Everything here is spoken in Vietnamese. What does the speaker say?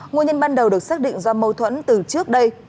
nguyên nhân ban đầu được xác định do mâu thuẫn từ trước đây